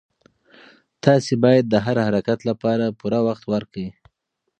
تاسي باید د هر حرکت لپاره پوره وخت ورکړئ.